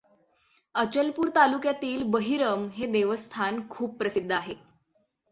अचलपूर तालुक्यातील बहिरम हे देवस्थान खूप प्रसिद्ध आहे.